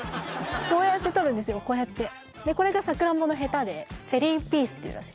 こうやって撮るんですよこうやってでこれがさくらんぼのへたでチェリーピースっていうらしいです